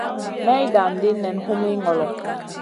May dan ɗi nen humi ŋolo.